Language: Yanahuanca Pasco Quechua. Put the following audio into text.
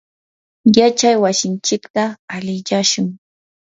yachay wasinchikta alichashun.